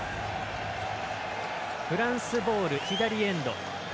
フランスボール、左エンド。